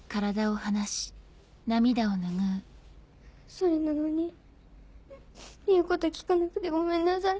それなのに言うこと聞かなくてごめんなさい。